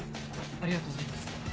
ありがとうございます。